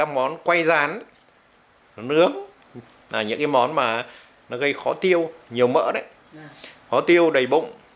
món quay rán nướng là những món gây khó tiêu nhiều mỡ khó tiêu đầy bụng